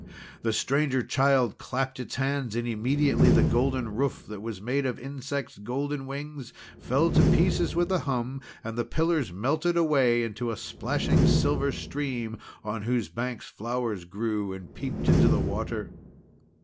The Stranger Child clapped its hands, and immediately the golden roof, that was made of insects' golden wings, fell to pieces with a hum, and the pillars melted away into a splashing silver stream, on whose banks flowers grew and peeped into the water.